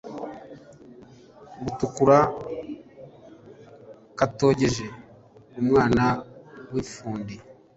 Gatukura katokeje-Umwana w'ifundi.